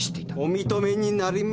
お認めになりましたね？